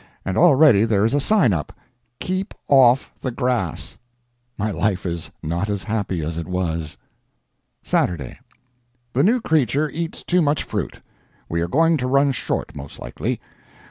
And already there is a sign up: KEEP OFF THE GRASS My life is not as happy as it was. SATURDAY. The new creature eats too much fruit. We are going to run short, most likely.